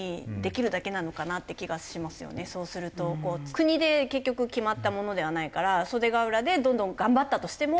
国で結局決まったものではないから袖ケ浦でどんどん頑張ったとしても。